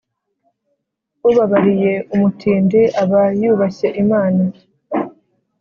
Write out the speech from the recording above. ubabariye umutindi aba yubashye imana